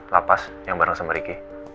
lapas yang bareng sama ricky